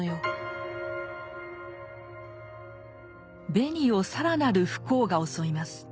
ベニを更なる不幸が襲います。